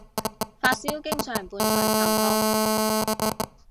發燒經常伴隨頭痛